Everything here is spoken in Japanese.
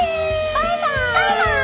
バイバイ。